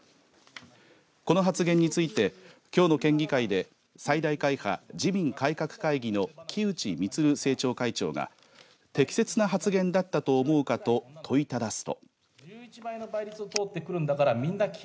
この発言についてきょうの県議会で最大会派自民改革会議の木内満政調会長が適切な発言だったと思うかと問いただすと。